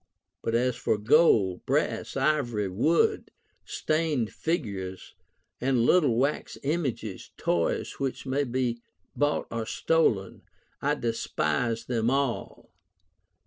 But as for gold, brass, ivory, wood, stained figures, and little wax images, toys which may be bought or stolen, I despise them all."